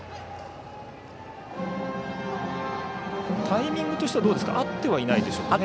タイミングとしては合ってはいないですか？